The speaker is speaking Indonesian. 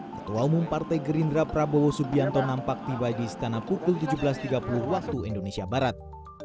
ketua umum partai gerindra prabowo subianto nampak tiba di istana pukul tujuh belas tiga puluh waktu indonesia barat